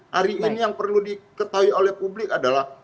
hari ini yang perlu diketahui oleh publik adalah